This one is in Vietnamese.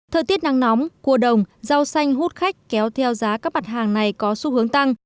thời tiết nắng nóng cua đồng rau xanh hút khách kéo theo giá các mặt hàng này có xu hướng tăng